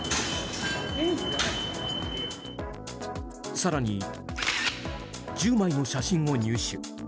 更に１０枚の写真を入手。